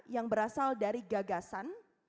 yang berasal dari gagasan